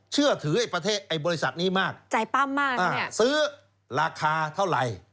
เชื่อถือไอ้ประเทศไอ้บริษัทนี้มากใจปั้มมากซื้อราคาเท่าไหร่